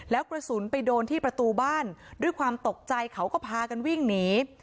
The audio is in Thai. แล้วกระสุนไปโดนที่ประตูบ้านด้วยความตกใจเขาก็พากันวิ่งหนี